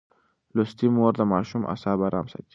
لوستې مور د ماشوم اعصاب ارام ساتي.